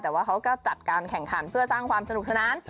แต่ว่าเขาก็จัดการแข่งขันเพื่อสร้างความสนุกสนาน